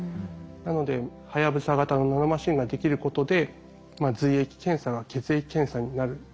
なのではやぶさ型のナノマシンができることで髄液検査が血液検査になる。